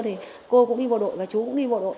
thì cô cũng đi bộ đội và chú cũng đi bộ đội